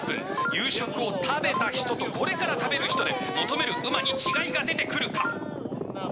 夕食を食べた人とこれから食べる人で求めるうまに違いが出てくるか？